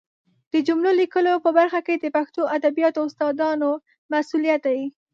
د جملو لیکلو په برخه کې د پښتو ادبیاتو استادانو مسؤلیت دی